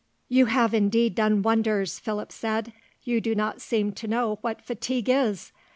"You have indeed done wonders," Philip said. "You do not seem to know what fatigue is.